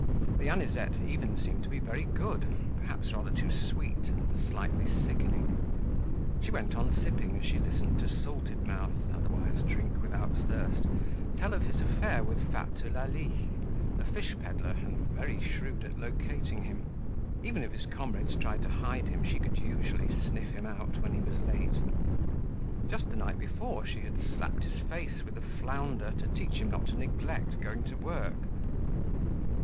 The anisette even seemed to be very good, perhaps rather too sweet and slightly sickening. She went on sipping as she listened to Salted Mouth, otherwise Drink without Thirst, tell of his affair with fat Eulalie, a fish peddler and very shrewd at locating him. Even if his comrades tried to hide him, she could usually sniff him out when he was late. Just the night before she had slapped his face with a flounder to teach him not to neglect going to work.